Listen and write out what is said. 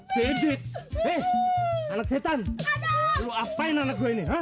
eh anak setan lu apain anak gue ini